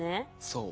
そう。